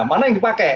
mana yang dipakai